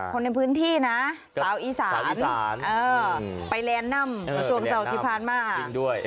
คนในพื้นที่นะสาวอีสานไปแรนด์นั่มส่วนสาวอุทิภาณมาก